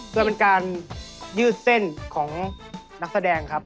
เพื่อเป็นการยืดเส้นของนักแสดงครับ